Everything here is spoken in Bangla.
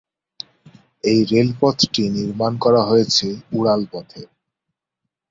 এই রেলপথটি নির্মাণ করা হয়েছে উড়াল পথে।